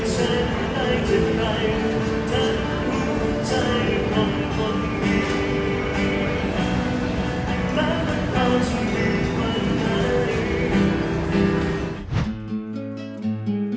ฉันไม่มีตัวฉันใกล้เธอใกล้